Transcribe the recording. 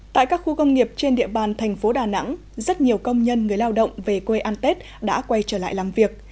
tại các khu công nghiệp trên địa bàn thành phố đà nẵng rất nhiều công nhân người lao động về quê an tết đã quay trở lại làm việc